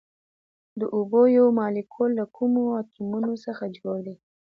د اوبو یو مالیکول له کومو اتومونو څخه جوړ دی